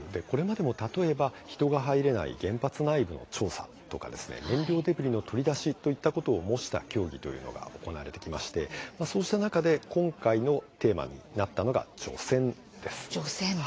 これまでも例えば人が入れない原発内部の調査や、燃料デブリの取り出しということを模した競技が行われてきましてそうした中で今回のテーマになったのが除染です。